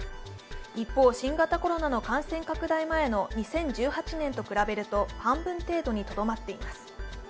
一方、新型コロナの感染拡大前の２０１８年と比べると半分程度にとどまっています。